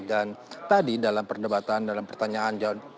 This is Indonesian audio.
dan tadi dalam perdebatan dalam pertanyaan